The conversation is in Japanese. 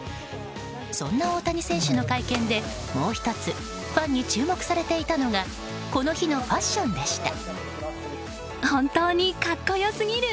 そんな大谷選手の会見でもう１つファンに注目されていたのがこの日のファッションでした。